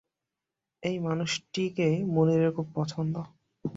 এই মানুষটিকে মুনিরের খুব পছন্দ।